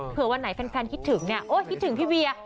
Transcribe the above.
เผื่อวันไหนแฟนคิดถึงคิดถึงพี่เวีย